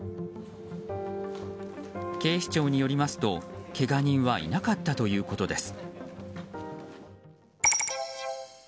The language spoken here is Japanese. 警視庁によりますと、けが人はいなかったということです。